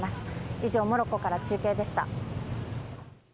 以上、モロッコから中継でした。